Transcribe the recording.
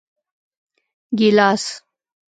🍒 ګېلاس